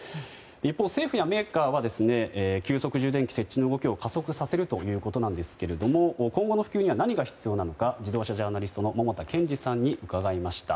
一方、政府やメーカーは急速充電器設置の動きを加速させるということですが今後の普及には何が必要なのか自動車ジャーナリストの桃田健史さんに伺いました。